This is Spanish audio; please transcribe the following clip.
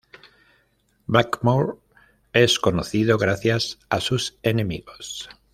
Blackmore es conocido gracias a sus enemigos.